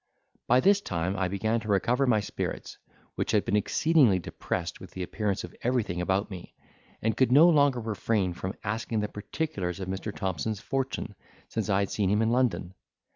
By this time I began to recover my spirits, which had been exceedingly depressed with the appearance of everything about me, and could no longer refrain from asking the particulars of Mr. Thompson's fortune since I had seen him in London.